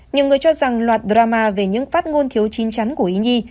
nhiều người cho rằng loạt drama về những phát ngôn thiếu chín chắn của ý nhi